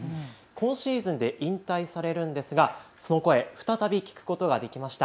今シーズンで引退されるんですが、その声再び聞くことができました。